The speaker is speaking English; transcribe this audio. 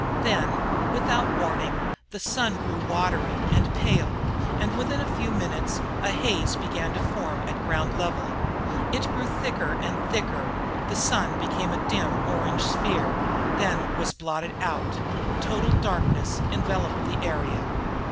Then, without warning, the sun grew watery and paled, and within a few minutes a haze began to form at ground level. It grew thicker and thicker; the sun became a dim orange sphere, then was blotted out. Total darkness enveloped the area.